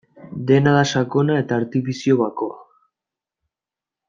Dena da sakona eta artifizio bakoa.